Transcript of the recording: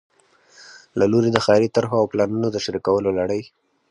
له لوري د ښاري طرحو او پلانونو د شریکولو لړۍ